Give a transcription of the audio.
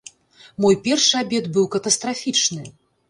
Мой першы абед быў катастрафічны!